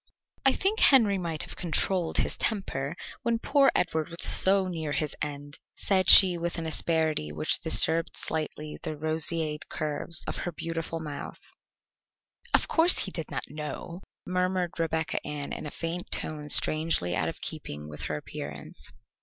"I think Henry might have controlled his temper, when poor Edward was so near his end," said she with an asperity which disturbed slightly the roseate curves of her beautiful mouth. "Of course he did not know," murmured Rebecca Ann in a faint tone strangely out of keeping with her appearance.